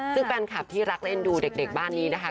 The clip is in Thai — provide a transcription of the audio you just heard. ซึ่งแฟนคลับที่รักเล่นดูเด็กบ้านนี้นะคะ